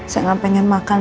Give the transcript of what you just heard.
saya gak pengen makan